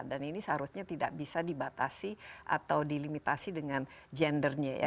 dan ini seharusnya tidak bisa dibatasi atau dilimitasi dengan gendernya ya